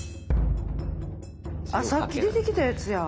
さっき出てきたやつや。